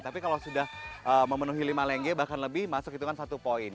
tapi kalau sudah memenuhi lima lengge bahkan lebih masuk hitungan satu poin